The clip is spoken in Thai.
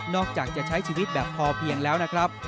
อกจากจะใช้ชีวิตแบบพอเพียงแล้วนะครับ